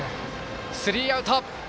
スリーアウト。